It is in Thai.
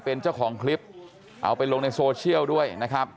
เป็นเจ้าของคลิปเอาไปลงในโซเชียลด้วยนะครับ